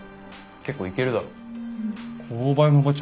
結構いけるだろ。